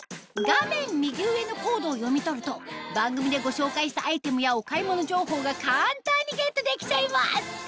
画面右上のコードを読み取ると番組でご紹介したアイテムやお買い物情報が簡単にゲットできちゃいます